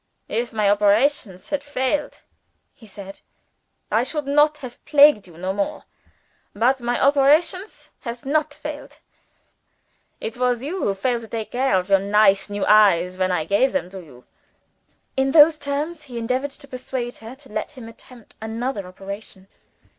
"If my operations had failed," he said, "I should not have plagued you no more. But my operations has not failed: it is you who have failed to take care of your nice new eyes when I gave them to you." In those terms he endeavored to persuade her to let him attempt another operation.